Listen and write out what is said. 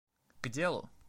К делу!